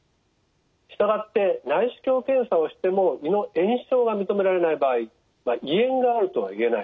従って内視鏡検査をしても胃の炎症が認められない場合胃炎があるとは言えない。